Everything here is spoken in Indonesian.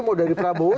mau dari prabowo